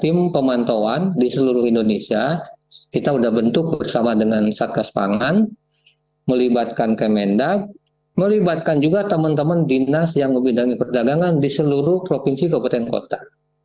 tim pemantauan di seluruh indonesia kita sudah bentuk bersama dengan satgas pangan melibatkan kemendak melibatkan juga teman teman dinas yang membidangi perdagangan di seluruh provinsi kabupaten kota